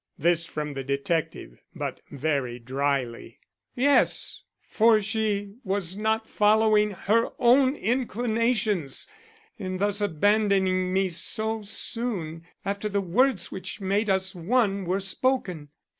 This from the detective, but very dryly. "Yes. For she was not following her own inclinations in thus abandoning me so soon after the words which made us one were spoken.